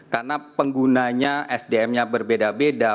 karena penggunanya sdmnya berbeda beda